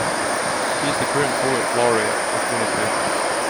He is the current Poet Laureate of Winnipeg.